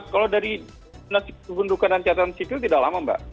kalau dari nasib kebundukan dan catatan sipil tidak lama mbak